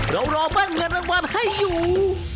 เรารอมั่นเงินรางวัลให้อยู่